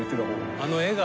あの絵が。